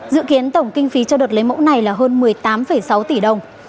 dự kiến tổng kinh phí cho đợt lấy mẫu này là hơn một mươi tám sáu tỷ đồng